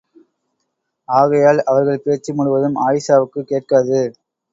ஆகையால், அவர்கள் பேச்சு முழுவதும் ஆயீஷாவுக்குக் கேட்காது!